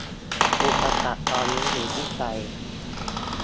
อุปสรรคตอนนี้อยู่ที่ใจ